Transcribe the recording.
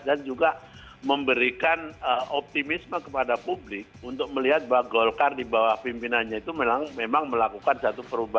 dan juga memberikan optimisme kepada publik untuk melihat bahwa golkar di bawah pimpinannya itu memang melakukan satu perubahan